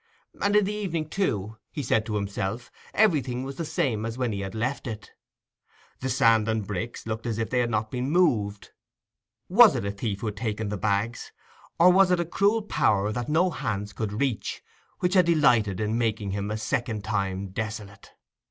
And in the evening, too, he said to himself, everything was the same as when he had left it. The sand and bricks looked as if they had not been moved. Was it a thief who had taken the bags? or was it a cruel power that no hands could reach, which had delighted in making him a second time desolate?